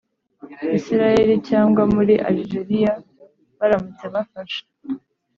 isirayeli, cyangwa muri alijeriya baramutse bafashe